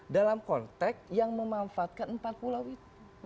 dalam konteks yang memanfaatkan empat pulau itu